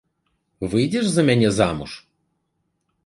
Выйдзеш за мяне замуж?